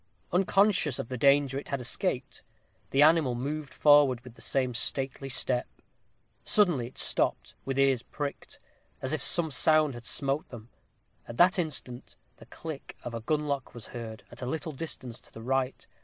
Unconscious of the danger it had escaped, the animal moved forward with the same stately step. Suddenly it stopped, with ears pricked, as if some sound had smote them. At that instant the click of a gun lock was heard, at a little distance to the right.